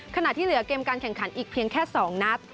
ขณะที่เหลือเกมการแข่งขันอีกเพียงแค่๒นัด